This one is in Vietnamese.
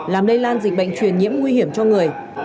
làm lây lan dịch bệnh truyền nhiễm nguy hiểm cho người